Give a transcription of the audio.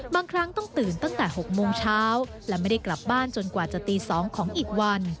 บางครั้งต้องตื่นตั้งแต่๖โมงเช้าและไม่ได้กลับบ้านจนกว่าจะตี๒ของอีกวัน